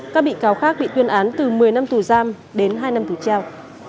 các bị cáo khác bị tuyên án từ một mươi năm tù giam đến hai năm tù treo